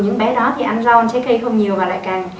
những bé đó thì ăn rong trái cây không nhiều và lại càng